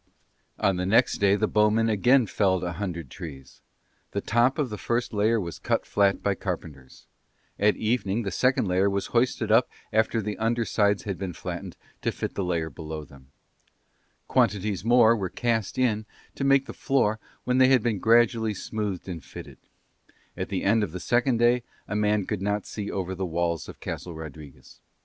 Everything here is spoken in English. On the next day the bowmen again felled a hundred trees; the top of the first layer was cut flat by carpenters; at evening the second layer was hoisted up after their under sides had been flattened to fit the layer below them; quantities more were cast in to make the floor when they had been gradually smoothed and fitted: at the end of the second day a man could not see over the walls of Castle Rodriguez.